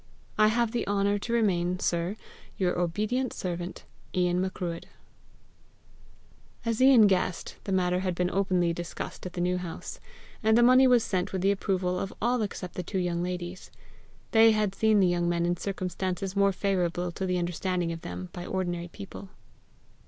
I have the honour to remain, sir, your obedient servant, Ian Macruadh." As Ian guessed, the matter had been openly discussed at the New House; and the money was sent with the approval of all except the two young ladies. They had seen the young men in circumstances more favourable to the understanding of them by ordinary people.